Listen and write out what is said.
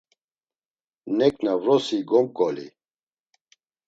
Neǩna vrosi gomǩoli.